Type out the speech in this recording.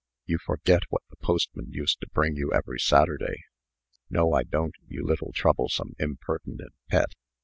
"You forget what the postman used to bring you every Saturday." "No, I don't, you little, troublesome, impertinent Pet.